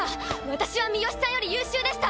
私は三好さんより優秀でした！